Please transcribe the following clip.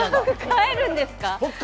飼えるんですか。